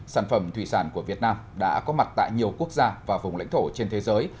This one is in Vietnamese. sản phẩm thủy sản của việt nam đã có mặt tại nhiều quốc gia và vùng lãnh thổ trên thế giới